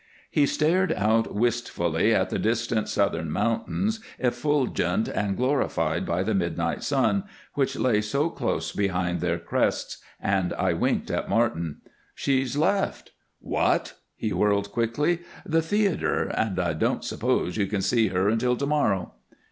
He stared out wistfully at the distant southern mountains, effulgent and glorified by the midnight sun which lay so close behind their crests, and I winked at Martin. "She's left " "What!" He whirled quickly. " the theater, and I don't suppose you can see her until to morrow."